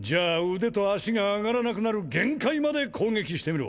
腕と脚が上がらなくなる限界まで攻撃してみろ